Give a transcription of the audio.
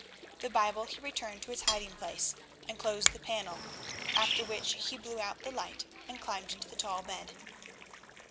The Bible he returned to its hiding place and closed the panel, after which he blew out the light and climbed into the tall bed.